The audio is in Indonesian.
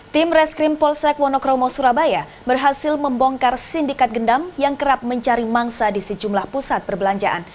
tim reskrim polsek wonokromo surabaya berhasil membongkar sindikat gendam yang kerap mencari mangsa di sejumlah pusat perbelanjaan